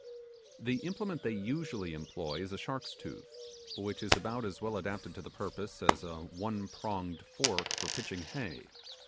The implement they usually employ is a shark's tooth, which is about as well adapted to the purpose as a one pronged fork for pitching hay.